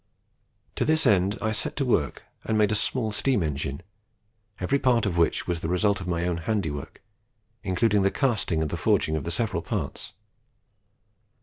To this end I set to work and made a small steam engine, every part of which was the result of my own handiwork, including the casting and the forging of the several parts.